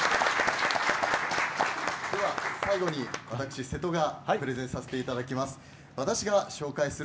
最後に私、瀬戸がプレゼンさせていただきます。